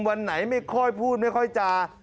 วันไหนไม่ค่อยพูดไม่ค่อยจา